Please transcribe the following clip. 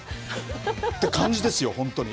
って感じですよ、本当に。